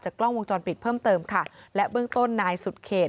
กล้องวงจรปิดเพิ่มเติมค่ะและเบื้องต้นนายสุดเขต